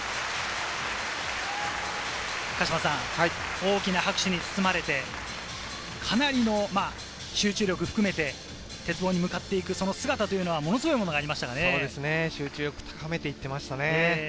大きな拍手に包まれて、かなりの集中力を含めて鉄棒に向かって行くその姿というのは、集中力を高めていっていましたね。